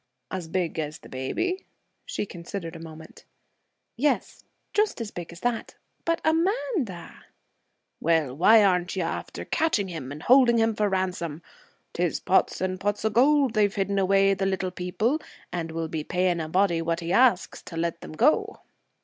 'As big as the baby?' She considered a moment. 'Yes, just as big as that. But a man, da.' 'Well, why aren't you after catching him and holding him for ransom? 'Tis pots and pots o' gold they've hidden away, the little people, and will be paying a body what he asks to let them go.'